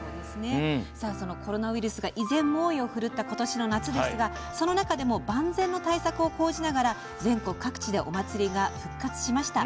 そのコロナウイルスが依然、猛威を振るった今年の夏ですがその中でも万全の対策を講じながら全国各地でお祭りが復活しました。